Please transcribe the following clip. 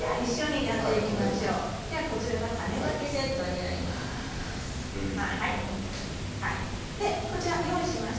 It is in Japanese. こちらが種まきセットになります。